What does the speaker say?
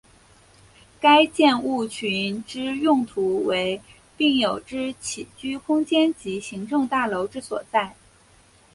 该建物群之用途为病友之起居空间及行政大楼之所在。